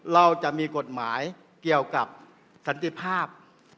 เราจะมีกฎหมายเกี่ยวกับสันติภาพ